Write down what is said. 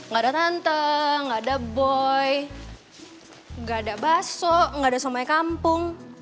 gak ada tante gak ada boy gak ada baso gak ada somaikampung